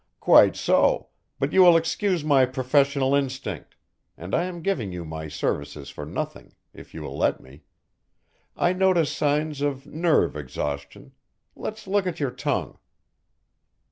"Quite so, but you will excuse my professional instinct and I am giving you my services for nothing, if you will let me I notice signs of nerve exhaustion Let's look at your tongue."